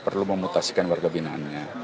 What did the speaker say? perlu memutasikan warga binaannya